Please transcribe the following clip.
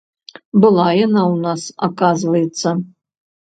Была яна ў нас, аказваецца.